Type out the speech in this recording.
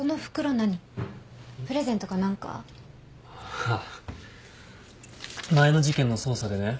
ああ前の事件の捜査でね